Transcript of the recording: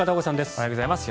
おはようございます。